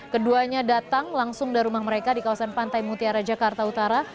keduanya datang langsung dari rumah mereka di kawasan pantai mutiara jakarta utara